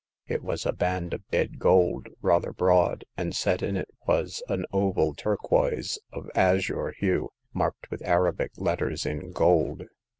It was a band of dead gold, rather broad, and set in it was an oval turquoise of azure hue, marked with Arabic letters in gold.